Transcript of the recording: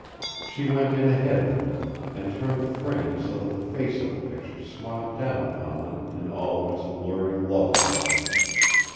She went in ahead of him and turned the frame so that the face in the picture smiled down upon them in all of its luring loveliness.